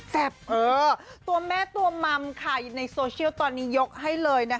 ตัวแม่ตัวม่ำในโซเชียลตอนนี้ยกให้เลย